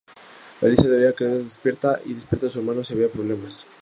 Lisa debía quedarse despierta y despertar a su hermano si había problemas.